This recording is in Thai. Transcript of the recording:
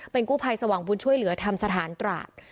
กู้ภัยสว่างบุญช่วยเหลือธรรมสถานตราด